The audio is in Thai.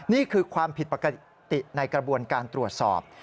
นี่คือความผิดปกติในกระบวนการตรวจสอบ